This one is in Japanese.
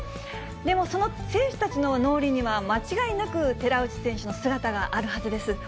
でもその選手たちの脳裏には、間違いなく寺内選手の姿があるはずです。